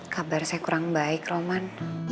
kabar saya kurang baik roman